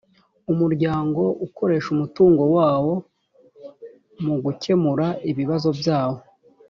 umuryango ukoresha umutungo wawo mu gukemura ibibazo byawo